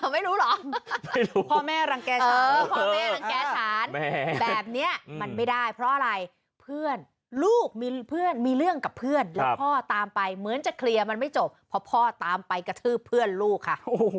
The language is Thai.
ไม่รู้เหรอพ่อแม่รังแก่ฉันพ่อแม่รังแก่ฉันแบบนี้มันไม่ได้เพราะอะไรเพื่อนลูกมีเพื่อนมีเรื่องกับเพื่อนแล้วพ่อตามไปเหมือนจะเคลียร์มันไม่จบเพราะพ่อตามไปกระทืบเพื่อนลูกค่ะ